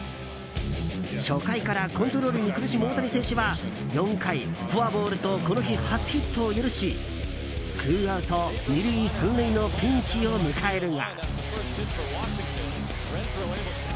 初回からコントロールに苦しむ大谷選手は４回、フォアボールとこの日、初ヒットを許しツーアウト２塁３塁のピンチを迎えるが。